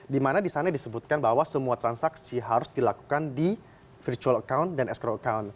dimana disana disebutkan bahwa semua transaksi harus dilakukan di virtual account dan escrow account